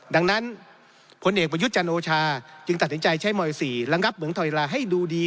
ดังนั้นผลเอกประยุทธ์จันโอชาจึงตัดสินใจใช้ม๔ระงับเหมืองถอยลาให้ดูดี